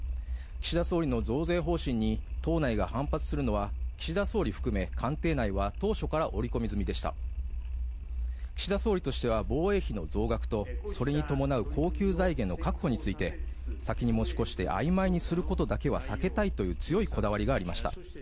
岸田総理の増税方針に党内が反発するのは岸田総理含め官邸内は当初から織り込み済みでした岸田総理としては防衛費の増額とそれに伴う恒久財源の確保について先に持ち越して曖昧にすることだけは避けたいという強いこだわりがありました